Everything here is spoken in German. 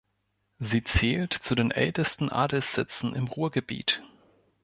Sie zählt zu den ältesten Adelssitzen im Ruhrgebiet.